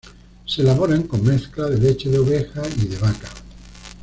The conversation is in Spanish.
Se elaboran con mezcla de leche de oveja y de vaca.